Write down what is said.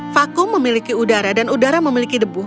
vakum memiliki udara dan udara memiliki debu